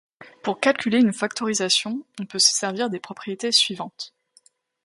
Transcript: Pour calculer une factorisation, on peut se servir des propriétés suivantes.